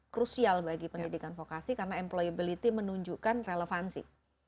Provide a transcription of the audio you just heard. krusial bagi pendidikan vokasi karena employability menunjukkan relevansi